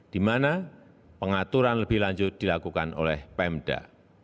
di mana pengaturan lebih lanjut dilakukan oleh pemda